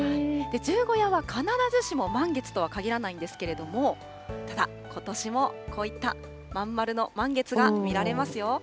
十五夜は必ずしも満月とはかぎらないんですけれども、ただ、ことしもこういった真ん丸の満月が見られますよ。